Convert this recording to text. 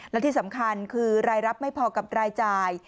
และที่สำคัญคือรายรับไม่พอกับรายจ่าย